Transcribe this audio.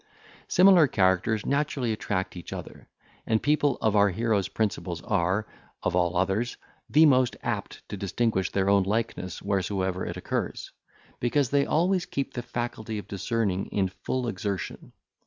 Similar characters naturally attract each other, and people of our hero's principles are, of all others, the most apt to distinguish their own likeness wheresoever it occurs; because they always keep the faculty of discerning in full exertion.